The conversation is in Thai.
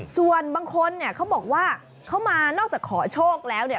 ส่วนบางคนเนี่ยเขาบอกว่าเขามานอกจากขอโชคแล้วเนี่ย